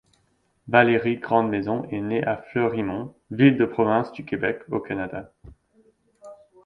Valérie Grand'Maison est née à Fleurimont, ville de la province du Québec, au Canada.